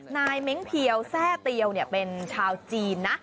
เม้งเพียวแทร่เตียวเป็นชาวจีนนะ